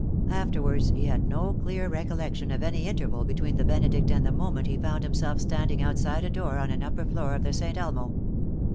Afterwards he had no clear recollection of any interval between the Benedict and the moment he found himself standing outside a door on an upper floor of the Saint Elmo.